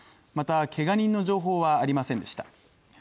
また、けが人の情報はありませんでした。